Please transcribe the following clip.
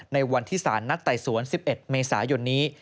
ในวันที่สารนัดไต่สวน๑๑เมษายนนี้